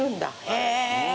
へえ！